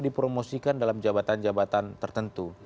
dipromosikan dalam jabatan jabatan tertentu